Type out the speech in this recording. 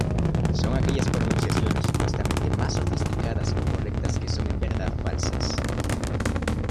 Son aquellas pronunciaciones supuestamente más sofisticadas o correctas que son en verdad falsas.